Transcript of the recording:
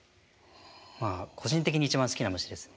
まあ個人的に一番好きな虫ですね。